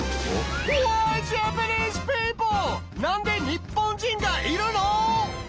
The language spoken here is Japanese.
何で日本人がいるの？